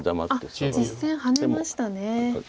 実戦ハネましたね。